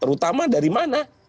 terutama dari mana